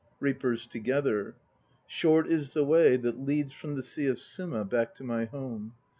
REAPERS (together). Short is the way that leads l From the sea of Suma back to my home.